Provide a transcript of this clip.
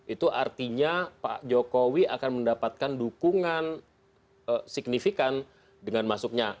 itu artinya pak jokowi akan mendapatkan dukungan signifikan dengan masuknya